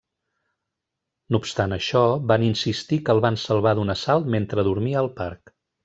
No obstant això, van insistir que el van salvar d'un assalt mentre dormia al parc.